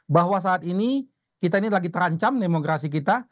bahwa saat ini kita ini lagi terancam demokrasi kita